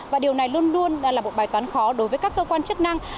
và điều này luôn luôn là một bài toán khó đối với các cơ quan chức năng